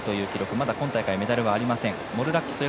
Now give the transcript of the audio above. まだ今大会メダルはありません。